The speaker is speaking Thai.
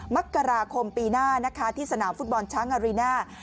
มกราคมปีหน้านะคะที่สนามฟุตบอลช้างอารีน่า